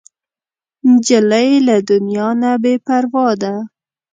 نجلۍ له دنیا نه بې پروا ده.